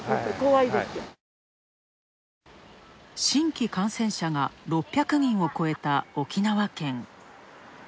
新規感染者が６００人を超えた沖縄県。